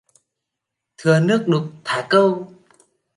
Thừa nước đục thả câu